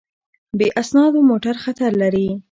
بې اسنادو موټر خطر لري.